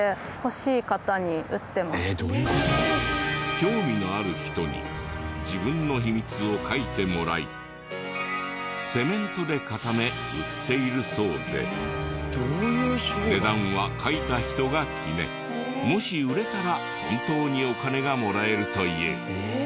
興味のある人に自分の秘密を書いてもらいセメントで固め売っているそうで値段は書いた人が決めもし売れたら本当にお金がもらえるという。